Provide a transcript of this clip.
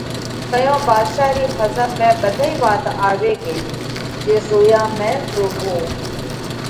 تئيون ڀاڌشا رِي ۿزم ۾ ٻڌئِي وات آوي ڳئِي جي “زويا ۾ زووَو”